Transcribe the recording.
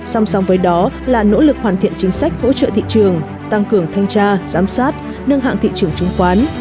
song song với đó là nỗ lực hoàn thiện chính sách hỗ trợ thị trường tăng cường thanh tra giám sát nâng hạng thị trường chứng khoán